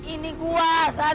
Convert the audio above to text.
ini gua san